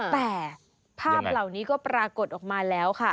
แต่ภาพเหล่านี้ก็ปรากฏออกมาแล้วค่ะ